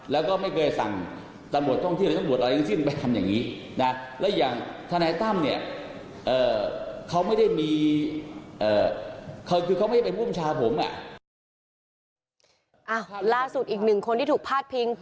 ล่าสุดอีกหนึ่งคนที่ถูกพาดพิง